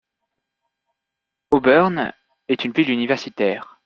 Auburn est une ville universitaire.